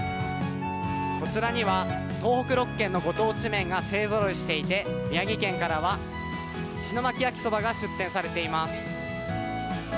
こちらには東北６県のご当地麺が勢揃いしていて宮城県からは石巻焼きそばが出店されています。